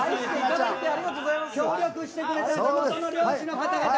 協力してくれた地元の漁師の方々。